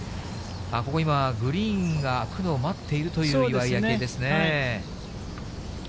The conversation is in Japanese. ここ今、グリーンが空くのを待っているという岩井明愛ですね。